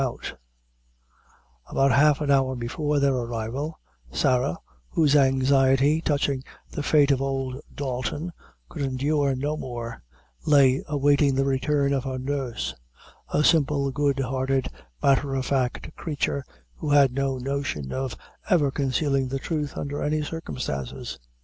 About half an hour before their arrival, Sarah, whose anxiety touching the fate of old Dalton could endure no more, lay awaiting the return of her nurse a simple, good hearted, matter of fact creature, who had no notion of ever concealing the truth under any circumstances.